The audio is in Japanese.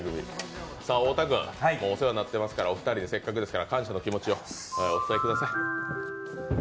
太田君、お世話になっていますから、お二人に感謝の気持ちをお伝えください。